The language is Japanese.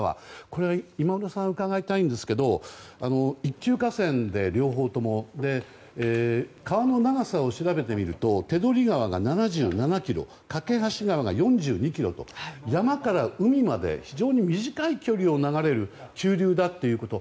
今村さんに伺いたいんですけど両方とも一級河川で川の長さを調べてみると手取川が７７ｋｍ梯川が４２ｋｍと山から海まで非常に短い距離を流れる急流だっていうこと。